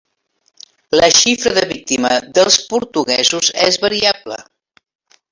La xifra de víctimes dels portuguesos és variable.